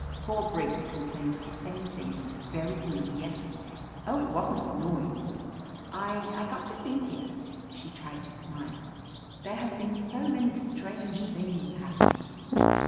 "Poor Briggs complained of the same thing in this very room yesterday." "Oh, it wasn't the noise. I — I got to think ing." She tried to smile. "There have been so many strange things happening!"